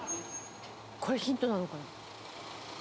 これヒントなのかな？」